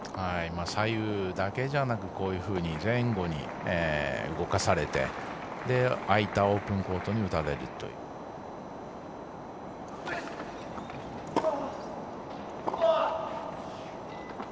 左右だけじゃなくてこういうふうに前後に動かされて開いたオープンコートに打たれるという。